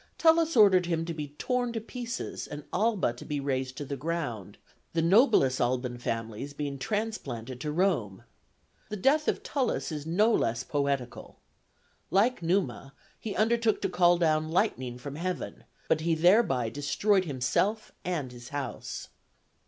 Tullus ordered him to be torn to pieces and Alba to be razed to the ground, the noblest Alban families being transplanted to Rome. The death of Tullus is no less poetical. Like Numa he undertook to call down lightning from heaven, but he thereby destroyed himself and his house.